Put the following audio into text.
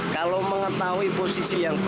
kalau mengetahui posisi yang